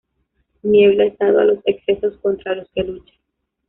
Niebla es dado a los excesos contra los que lucha.